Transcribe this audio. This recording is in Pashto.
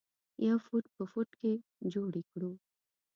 یو فټ په یو فټ کې جوړې کړو.